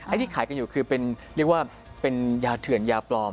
ที่ขายกันอยู่คือเป็นเรียกว่าเป็นยาเถื่อนยาปลอม